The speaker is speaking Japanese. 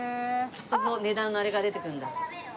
その値段のあれが出てくるんだ。